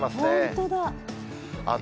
本当だ。